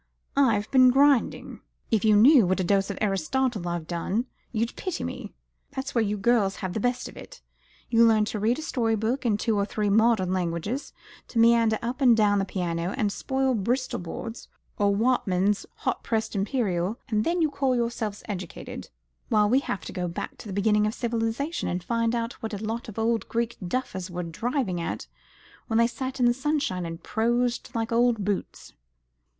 I've been grinding. If you knew what a dose of Aristotle I've had, you'd pity me. That's where you girls have the best of it. You learn to read a story book in two or three modern languages, to meander up and down the piano, and spoil Bristol board, or Whatman's hot pressed imperial, and then you call yourselves educated; while we have to go back to the beginning of civilisation, and find out what a lot of old Greek duffers were driving at when they sat in the sunshine and prosed like old boots."